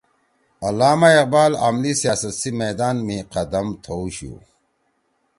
علامہ اقبال عملی سیاست سی میدان می قدم تھؤشُو